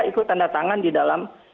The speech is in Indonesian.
ikut tanda tangan di dalam